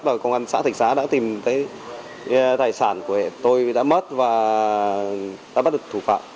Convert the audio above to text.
và công an xã thạch xá đã tìm thấy tài sản của hệ tôi đã mất và đã bắt được thủ phạm